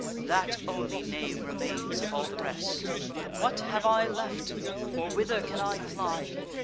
(That only name remains of all the rest!) What have I left? or whither can I fly?